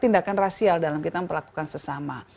dan juga kebiasaan yang spesial dalam kita memperlakukan sesama